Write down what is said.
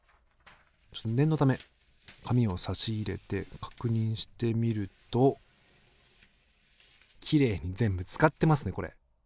念のため紙をさし入れて確認してみるときれいに全部使ってますねこれ。